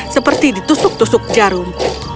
seperti ditusuk tusuk jarum